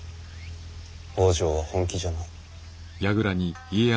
北条は本気じゃな。